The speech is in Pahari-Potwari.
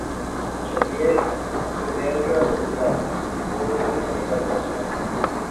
چہلئے، انگلینڈ کیڑا دور دا روز میں تو کنے گل کرساں